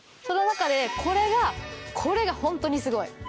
その中でこれがこれがホントにすごい！